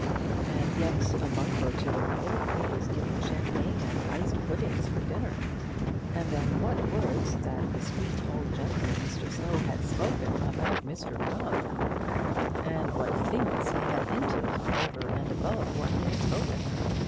And yet a month or two ago he was giving champagne and iced puddings for dinner! And then what words that discreet old gentleman, Mr Slow, had spoken about Mr Rubb, and what things he had hinted over and above what he had spoken!